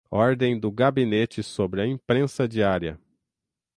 Ordem do Gabinete sobre a Imprensa Diária